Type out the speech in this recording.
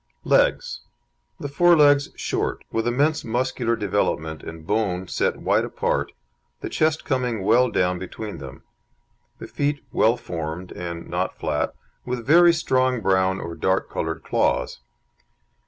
LEGS The fore legs short, with immense muscular development and bone, set wide apart, the chest coming well down between them. The feet well formed, and not flat, with very strong brown or dark coloured claws.